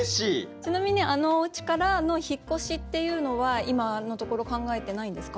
ちなみにあのおうちからの引っ越しっていうのは今のところ考えてないんですか？